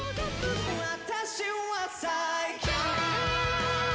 「私は最強」